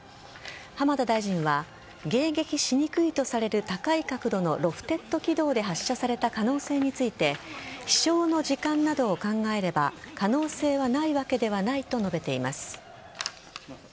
浜田大臣は迎撃しにくいとされる高い角度のロフテッド軌道で発射された可能性について飛翔の時間などを考えれば可能性はないわけではないと述べています。